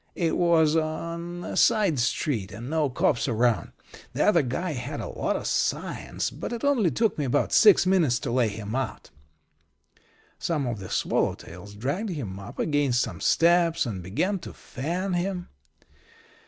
It was on a side street, and no cops around. The other guy had a lot of science, but it only took me about six minutes to lay him out. "Some of the swallowtails dragged him up against some steps and began to fan him.